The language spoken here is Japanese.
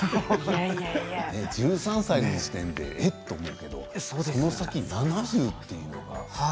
１３歳の時点でえっ？とこの先、７０というのは。